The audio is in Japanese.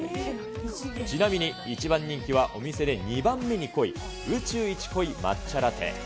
ちなみに、一番人気はお店で２番目に濃い、宇宙一濃い抹茶ラテ。